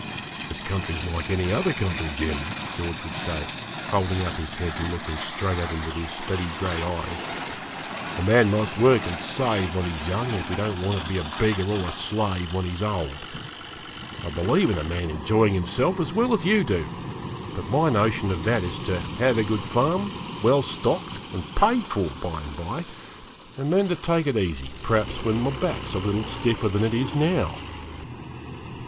'This country's like any other country, Jim,' George would say, holding up his head, and looking straight at him with his steady gray eyes; 'a man must work and save when he's young if he don't want to be a beggar or a slave when he's old. I believe in a man enjoying himself as well as you do, but my notion of that is to have a good farm, well stocked and paid for, by and by, and then to take it easy, perhaps when my back is a little stiffer than it is now.'